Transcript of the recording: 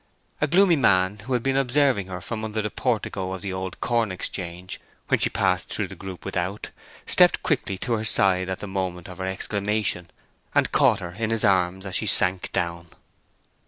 A gloomy man, who had been observing her from under the portico of the old corn exchange when she passed through the group without, stepped quickly to her side at the moment of her exclamation, and caught her in his arms as she sank down.